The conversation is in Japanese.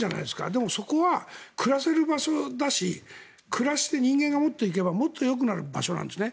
でも、そこは暮らせる場所だし暮らして、人間がもっと行けばもっとよくなる場所なんですね。